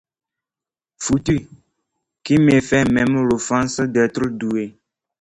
Foutu qui me fait même l'offense d'être doué.